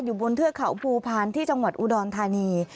บนเทือกเขาภูพานที่จังหวัดอุดรธานี